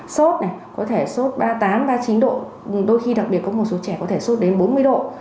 sốt này có thể sốt ba mươi tám ba mươi chín độ đôi khi đặc biệt có một số trẻ có thể sốt đến bốn mươi độ